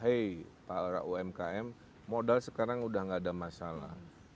hei para umkm modal sekarang udah gak ada masalahnya